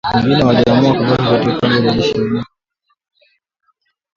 Wengine waliamua kubaki katika kambi ya jeshi la Uganda ya Bihanga, magharibi mwa Uganda.